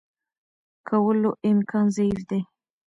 کولو امکان ضعیف دی.